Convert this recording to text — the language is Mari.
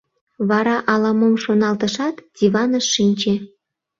Вара ала-мом шоналтышат, диваныш шинче.